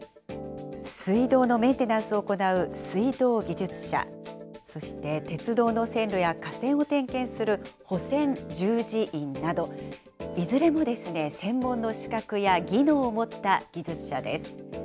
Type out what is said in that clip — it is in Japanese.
水道のメンテナンスを行う水道技術者、そして鉄道の線路や架線を点検する保線従事員など、いずれも専門の資格や技能を持った技術者です。